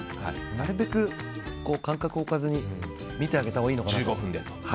なるべく間隔を置かずに見てあげたほうがいいのかなと。